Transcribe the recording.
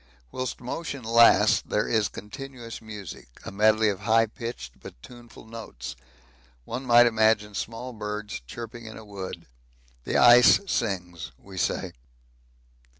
Whilst motion lasts there is continuous music, a medley of high pitched but tuneful notes one might imagine small birds chirping in a wood. The ice sings, we say.